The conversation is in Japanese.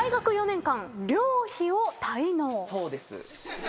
そうです。